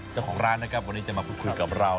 เจ้าของร้านนะครับวันนี้จะมาพูดคุยกับเรา